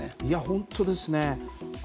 本当ですね。